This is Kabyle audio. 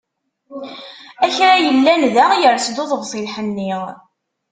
A kra yellan da, yers-d uḍebsi n lḥenni.